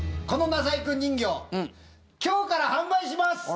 このなさいくん人形今日から販売します！